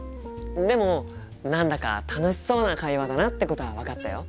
でも何だか楽しそうな会話だなってことは分かったよ。